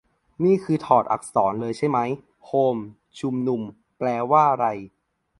นี่คือถอดอักษรเลยใช่มั๊ย - "โฮมชุมนุม" แปลว่าไร ?